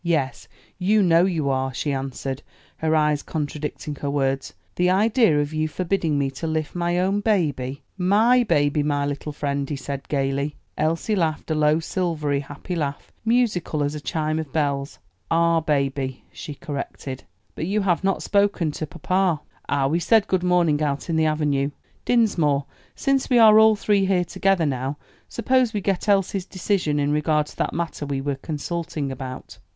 "Yes, you know you are," she answered, her eyes contradicting her words; "the idea of you forbidding me to lift my own baby!" "My baby, my little friend," he said gayly. Elsie laughed a low, silvery, happy laugh, musical as a chime of bells. "Our baby," she corrected. "But you have not spoken to papa." "Ah, we said good morning out in the avenue. Dinsmore, since we are all three here together now, suppose we get Elsie's decision in regard to that matter we were consulting about."